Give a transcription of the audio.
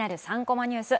３コマニュース」